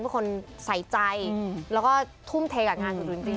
ให้คนใส่ใจแล้วก็ทุ่มเทกับงาน